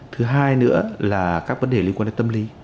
thứ hai nữa là các vấn đề liên quan đến tâm lý